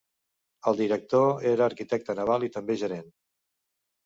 El Director era arquitecte naval i també gerent.